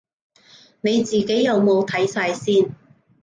你自己有冇睇晒先